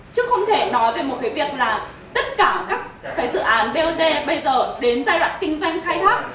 chứ không thể nói về một cái việc là tất cả các dự án bot bây giờ đến giai đoạn kinh doanh khai thác